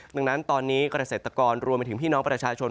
ดังนั้นตอนนี้เกษตรกรรวมไปถึงพี่น้องประชาชน